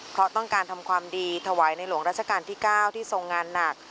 เพราะต้องการทำความดีถวายในหลวงราชการที่๙ที่ทรงงานหนัก